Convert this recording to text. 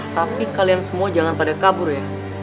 tapi kalian semua jangan pada kabur ya